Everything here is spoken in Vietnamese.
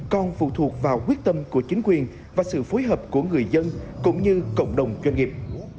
còn phụ thuộc vào quyết tâm của chính quyền và sự phối hợp của người dân cũng như cộng đồng doanh nghiệp